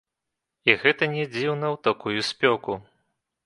І гэта не дзіўна ў такую спёку!